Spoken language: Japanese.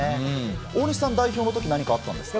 大西さん、代表のとき、何かあったんですか？